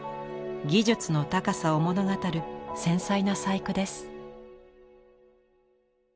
技術の高さを物語る繊細な細工です。